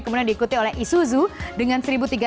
kemudian diikuti oleh isuzu dengan satu tiga ratus empat belas